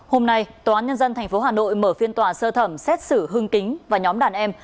hôm nay tòa án nhân dân tp hà nội mở phiên tòa sơ thẩm xét xử hưng kính và nhóm đàn em